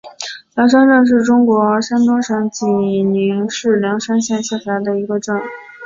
梁山镇是中国山东省济宁市梁山县下辖的一个镇。